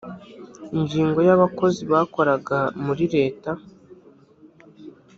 ingingo ya abakozi bakoraga muri leta.